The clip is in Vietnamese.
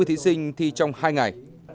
sáu mươi thí sinh thi trong hai ngày